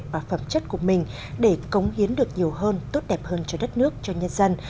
và phẩm chất của mình để cống hiến được nhiều hơn tốt đẹp hơn cho đất nước cho nhân dân